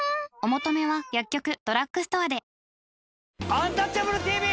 「アンタッチャブるＴＶ」